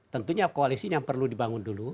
tentunya koalisi ini yang perlu dibangun dulu